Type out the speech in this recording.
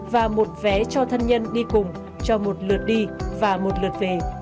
và một vé cho thân nhân đi cùng cho một lượt đi và một lượt về